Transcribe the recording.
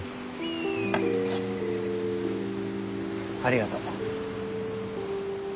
ありがとう。